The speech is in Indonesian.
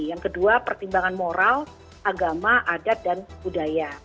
yang kedua pertimbangan moral agama adat dan budaya